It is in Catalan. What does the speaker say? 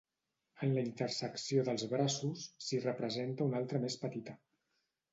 En la intersecció dels braços, s'hi representa una altra més petita.